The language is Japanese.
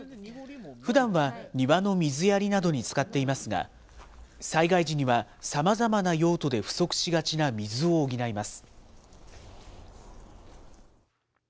ふだんは庭の水やりなどに使っていますが、災害時にはさまざまな用途で不足しがちな水を補います。